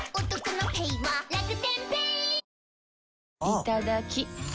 いただきっ！